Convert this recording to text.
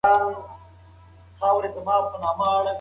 ټولنیز نهاد د ټولنې د ګډ نظم یوه مهمه ستنه ده.